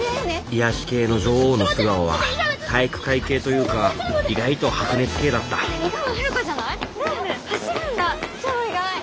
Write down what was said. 癒やし系の女王の素顔は体育会系というか意外と白熱系だった井川遥じゃない？